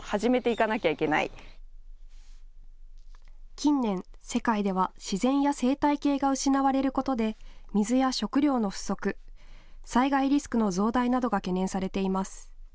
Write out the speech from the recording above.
近年、世界では自然や生態系が失われることで水や食料の不足、災害リスクの増大などが懸念されています。